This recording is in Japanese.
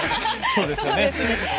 そうですね。